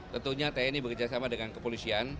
tentunya tni bekerjasama dengan kepolisian